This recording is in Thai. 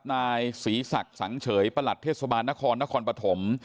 นายศรีศักดิ์สังเฉยประหลัดเทศบาลนครนครปฐม